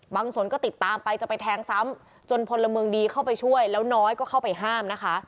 สนก็ติดตามไปจะไปแทงซ้ำจนพลเมืองดีเข้าไปช่วยแล้วน้อยก็เข้าไปห้ามนะคะ